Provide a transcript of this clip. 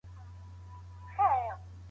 خاموشي کله د رضایت نښه وي؟